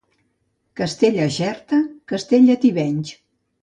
Castell a Xerta, castell a Tivenys.